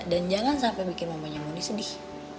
dan jangan sampai bikin mamanya monly sedih